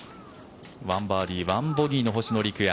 １バーディー１ボギーの星野陸也。